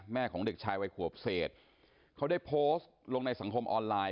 ของเด็กชายวัยขวบเศษเขาได้โพสต์ลงในสังคมออนไลน